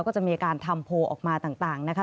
ก็จะมีการทำโพลออกมาต่างนะคะ